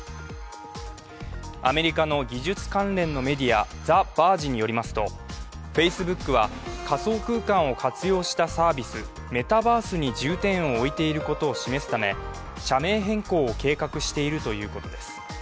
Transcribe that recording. アメリカの技術関連のメディアザ・ヴァージによりますとＦａｃｅｂｏｏｋは仮想空間を活用したサービス、メタバースに重点を置いていることを示すため社名変更を計画しているということです。